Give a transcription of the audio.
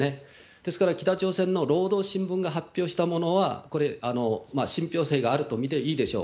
ですから、北朝鮮の労働新聞が発表したものは、これ、信ぴょう性があると見ていいでしょう。